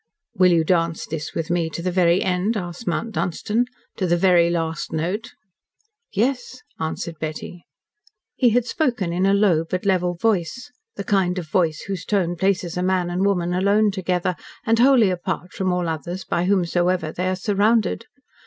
"Will you dance this with me to the very end," asked Mount Dunstan "to the very late note?" "Yes," answered Betty. He had spoken in a low but level voice the kind of voice whose tone places a man and woman alone together, and wholly apart from all others by whomsoever they are surrounded.